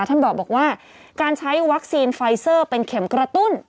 ท่านบอกว่าการใช้วัคซีนไฟเซอร์เป็นเข็มกระตุ้น